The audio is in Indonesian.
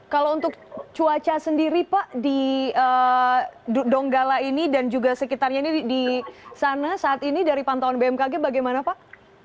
kalau untuk cuaca sendiri pak di donggala ini dan juga sekitarnya ini di sana saat ini dari pantauan bmkg bagaimana pak